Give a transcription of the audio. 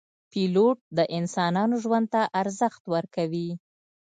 پیلوټ د انسانانو ژوند ته ارزښت ورکوي.